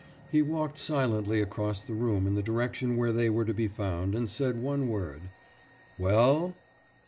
He walked silently across the room in the direction where They were to be found, and said one word: »Well?